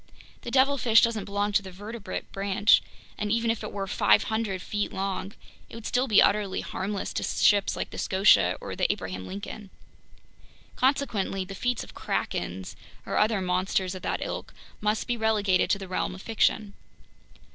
The devilfish doesn't belong to the vertebrate branch, and even if it were 500 feet long, it would still be utterly harmless to ships like the Scotia or the Abraham Lincoln. Consequently, the feats of krakens or other monsters of that ilk must be relegated to the realm of fiction."